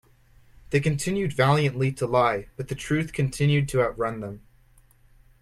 They continued valiantly to lie, but the truth continued to outrun them.